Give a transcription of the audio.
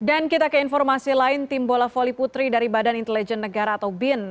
dan kita ke informasi lain tim bola voli putri dari badan intelijen negara atau bin